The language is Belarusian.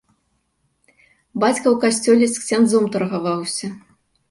Бацька ў касцёле з ксяндзом таргаваўся.